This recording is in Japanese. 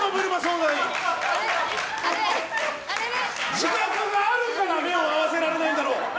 自覚があるから目を合わせられないんだろう！